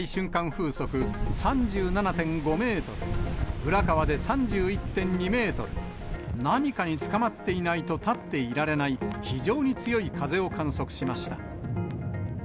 風速３７．５メートル、浦河で３１．２メートル、何かにつかまっていないと立っていられない、非常に強い風を観測しました。